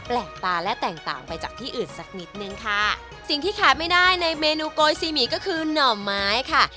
แปลกตาและแตกต่างไปจากที่อื่นสักนิดนึงค่ะสิ่งที่ขายไม่ได้ในเมนูโกยซีหมีก็คือหน่อไม้ค่ะ